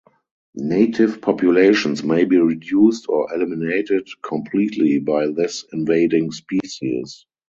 Native populations may be reduced or eliminated completely by this invading species.